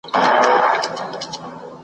له نیکه نکل هېر سوی افسانه هغسي نه ده .